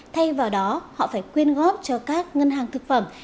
thay vào đó họ phải quyên góp cho các ngân hàng thực phẩm